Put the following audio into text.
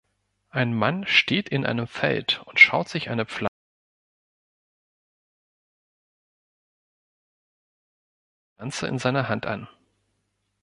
Ein Mann steht in einem Feld und schaut sich eine Pflanze in seiner Hand an.